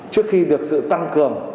trước khi được sự tăng cường